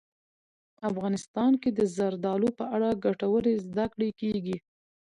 افغانستان کې د زردالو په اړه ګټورې زده کړې کېږي.